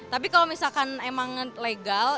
tapi kalau misalkan emang legal